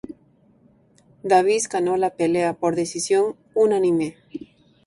Davis ganó la pelea por decisión unánime.